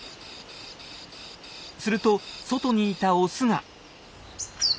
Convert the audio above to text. すると外にいたオスが。